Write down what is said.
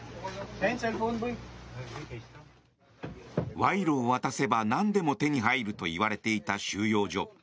賄賂を渡せばなんでも手に入るといわれていた収容所。